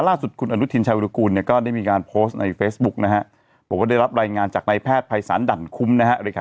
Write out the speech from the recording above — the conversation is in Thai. ล่าสุดคุณอนุทินชายวิรกูลเนี่ยก็ได้มีการโพสต์ในเฟซบุ๊กนะฮะบอกว่าได้รับรายงานจากนายแพทย์ภัยศาลดั่นคุ้มนะฮะ